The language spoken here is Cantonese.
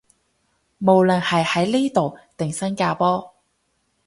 無論係喺呢度定新加坡